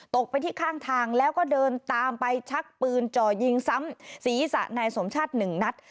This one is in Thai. ไปที่ข้างทางแล้วก็เดินตามไปชักปืนจ่อยิงซ้ำศีรษะนายสมชาติหนึ่งนัด